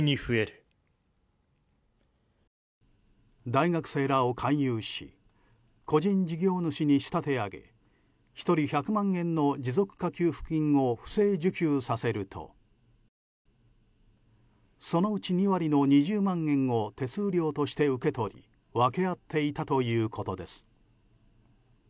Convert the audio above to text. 大学生らを勧誘し個人事業主に仕立て上げ１人１００万円の持続化給付金を不正受給させるとそのうち２割の２０万円を手数料として受け取り分け合っていたということです。